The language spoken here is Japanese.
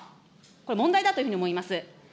これ、問題だというふうに思います。